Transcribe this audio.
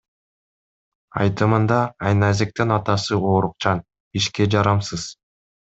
Айтымында, Айназиктин атасы оорукчан, ишке жарамсыз.